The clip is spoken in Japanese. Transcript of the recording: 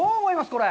これ。